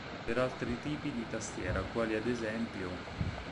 Per altri tipi di tastiera, quali ad es.